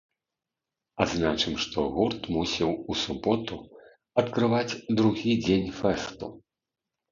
Адзначым, што гурт мусіў у суботу адкрываць другі дзень фэсту.